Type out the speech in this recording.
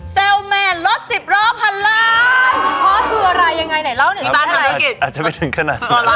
เซลแมนรถสิบล้อพันล้าน